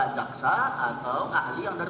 jaksa atau ahli yang dari